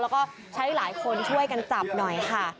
แล้วก็ใช้หลายคนช่วยกันจับหน่อยค่ะ